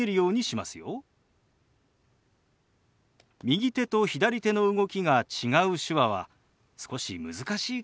右手と左手の動きが違う手話は少し難しいかもしれませんね。